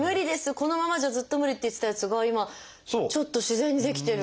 このままじゃずっと無理」って言ってたやつが今ちょっと自然にできてる。